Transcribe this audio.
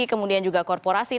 kemudian juga korporasi